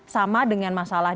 sama dengan masalah